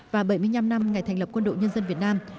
và bảy mươi năm năm ngày thành lập quân đội nhân dân việt nam